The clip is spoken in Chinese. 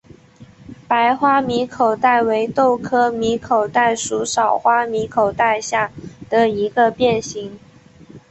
白花米口袋为豆科米口袋属少花米口袋下的一个变型。